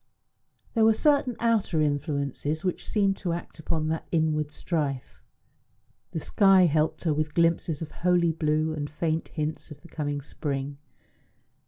There were certain outer influences which seemed to act upon that inward strife. The sky helped her with glimpses of holy blue and faint hints of the coming spring.